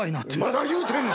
まだ言うてんの！？